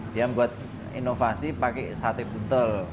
dia buat inovasi pakai sate buntel